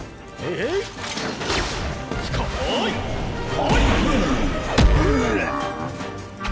はい！